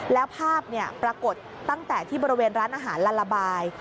แล้วภาพปรากฏตั้งแต่ที่บริเวณร้านอาหารลาระบาย